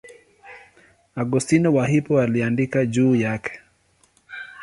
Augustino wa Hippo aliandika juu yake.